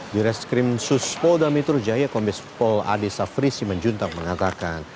di reskrim sus polda metro jaya komis pol adi safrisi menjuntak mengatakan